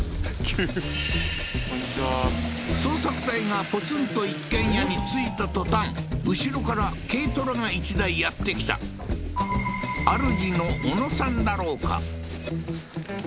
こんにちは捜索隊がポツンと一軒家に着いたとたん後ろから軽トラが１台やって来た主のオノさんだろうか？